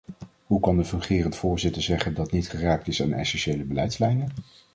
Hoe kan de fungerend voorzitter zeggen dat niet geraakt is aan essentiële beleidslijnen?